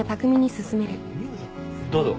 どうぞ。